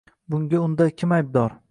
Bunga unda kim aybdor?